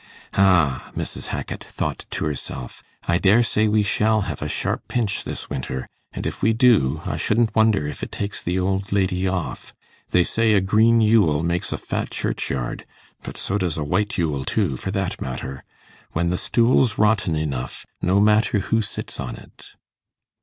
'Ah,' Mrs. Hackit thought to herself, 'I daresay we shall have a sharp pinch this winter, and if we do, I shouldn't wonder if it takes the old lady off. They say a green Yule makes a fat churchyard; but so does a white Yule too, for that matter. When the stool's rotten enough, no matter who sits on it.